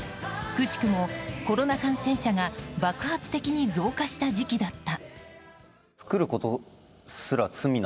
くしくもコロナ感染者が爆発的に増加した時期だった。